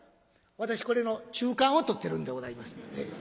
私これの中間を取ってるんでございます。